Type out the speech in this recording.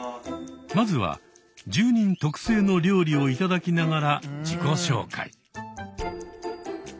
まずは住人特製の料理を頂きながら自己紹介。